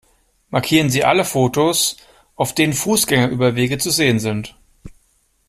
Markieren Sie alle Fotos, auf denen Fußgängerüberwege zu sehen sind!